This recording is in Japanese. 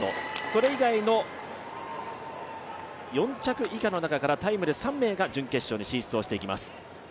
それ以外の４着以下の中からタイムで３名が準決勝に進出していきます。